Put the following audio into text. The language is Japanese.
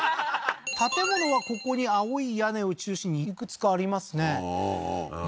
建物はここに青い屋根を中心にいくつかありますねで